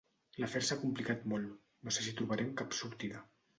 L'afer s'ha complicat molt: no sé si trobarem cap sortida.